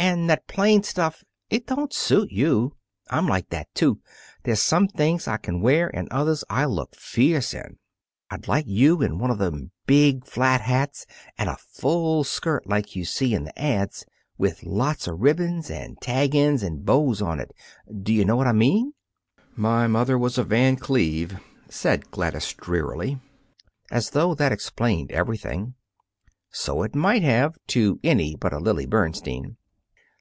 And that plain stuff it don't suit you. I'm like that, too. There's some things I can wear and others I look fierce in. I'd like you in one of them big flat hats and a full skirt like you see in the ads, with lots of ribbons and tag ends and bows on it. D'you know what I mean?" "My mother was a Van Cleve," said Gladys drearily, as though that explained everything. So it might have, to any but a Lily Bernstein.